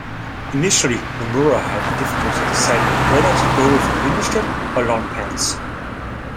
Initially, Nomura had difficulty deciding whether to go with a miniskirt or long pants.